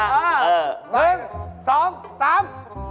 เออหนึ่งสองสาม